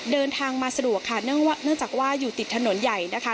เดินทางมาสะดวกค่ะเนื่องจากว่าอยู่ติดถนนใหญ่นะคะ